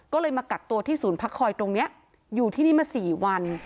ก็เลยมากักตัวที่ศูนย์พักคอยตรงนี้อยู่ที่นี่มา๔วัน